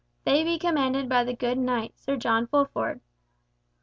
They be commanded by the good knight, Sir John Fulford.